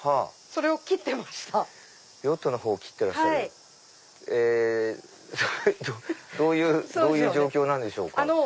それどういうどういう状況なんでしょうか？